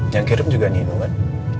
yang kirim juga nino kan